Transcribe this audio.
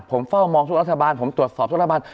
ผมเฝ้ามองทุกรัฐบาลผมตรวจสอบทุกรัฐบาล